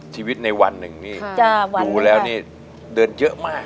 ชีวิตในวันหนึ่งนี่ดูแล้วนี่เดินเยอะมาก